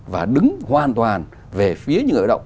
và đứng hoàn toàn về phía người lao động